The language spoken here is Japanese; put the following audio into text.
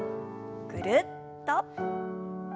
ぐるっと。